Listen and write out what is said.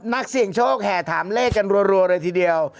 นักเสี่ยงโชคแห่ถามเลขกันรัวเลยทีเดียว